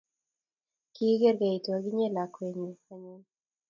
Kikerkeitu ak inye lakweng'ung anyon